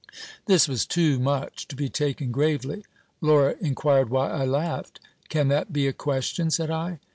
This was too much to be taken gravely. Laura inquired why I laughed. Can that be a question ? said I.